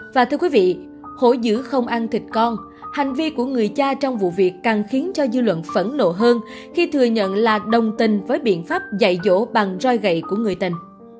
và thưa quý vị hổ giữ không ăn thịt con hành vi của người cha trong vụ việc càng khiến cho dư luận phẫn nộ hơn khi thừa nhận là đồng tình với biện pháp dạy dỗ bằng roi gậy của người tình